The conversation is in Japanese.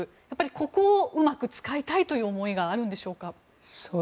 ここをうまく使いたいという思いがあるんでしょうか。